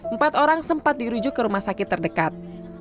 empat orang sempat dirujuk ke rumah sakit terdekat